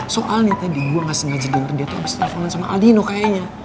soal nih tadi gua ga sengaja denger dia tuh abis telfonan sama aldino kayaknya